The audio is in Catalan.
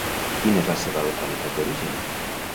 Quina és la seva localitat d'origen?